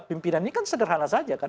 pimpinan ini kan sederhana saja kan